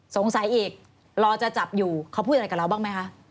สงสัยอีกรอจะจับอยู่เขาพูดอะไรกับเราบ้างไหมคะ